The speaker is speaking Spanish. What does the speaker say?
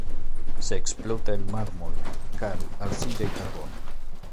Se explota el mármol, cal arcilla y carbón.